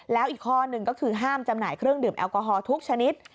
แล้วอีกข้อหนึ่งก็คือห้ามจำหน่ายเครื่องดื่มแอลกอฮอล์ทุกชนิด